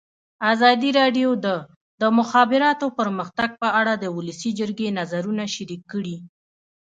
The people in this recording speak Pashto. ازادي راډیو د د مخابراتو پرمختګ په اړه د ولسي جرګې نظرونه شریک کړي.